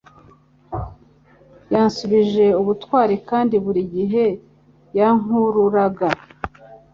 yansubije ubutwari kandi buri gihe yankururaga